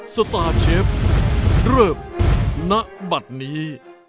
สตาร์เชฟเริ่มณบัตรนี้